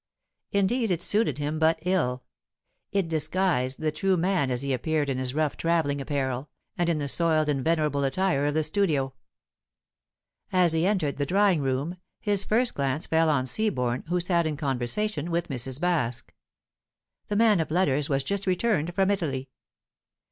Indeed it suited him but ill; it disguised the true man as he appeared in his rough travelling apparel, and in the soiled and venerable attire of the studio. As he entered the drawing room, his first glance fell on Seaborne, who sat in conversation with Mrs. Baske. The man of letters was just returned from Italy.